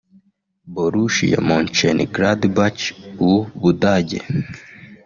Borussia Mönchengladbach (u Budage)